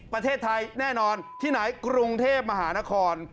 ประเทศไทยแน่นอนที่ไหนกรุงเทพมหานคร